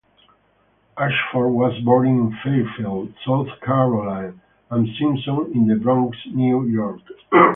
Ashford was born in Fairfield, South Carolina, and Simpson in the Bronx, New York.